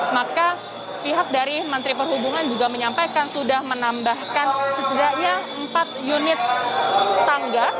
maka pihak dari menteri perhubungan juga menyampaikan sudah menambahkan setidaknya empat unit tangga